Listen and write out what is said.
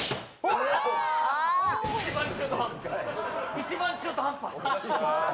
一番中途半端。